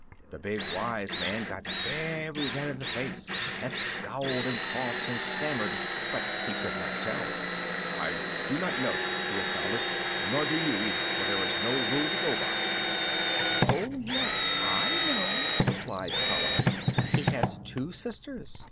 The big wise man got very red in the face, and scowled and coughed and stammered, but he could not tell. "I do not know," he acknowledged; "nor do you know, either, for there is no rule to go by." "Oh, yes, I know," replied Solomon; "he has two sisters.